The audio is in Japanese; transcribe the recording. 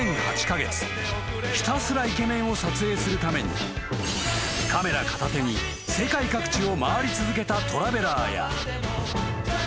ひたすらイケメンを撮影するためにカメラ片手に世界各地を回り続けたトラベラーや］